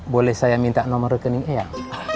boleh saya minta nomor rekening iyang